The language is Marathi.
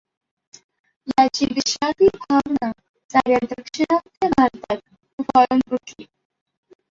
याची विषादी भावना साऱ्या दाक्षिणात्य भारतात उफाळून उठली.